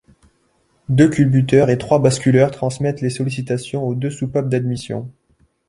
Deux culbuteurs et trois basculeurs transmettent les sollicitations aux deux soupapes d'admission.